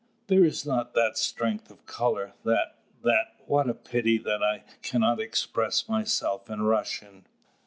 There is not that strength of colour, that that What a pity that I cannot express myself in Russian."